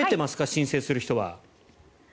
申請する人は。